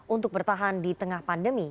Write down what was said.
untuk bertahan di tengah pandemi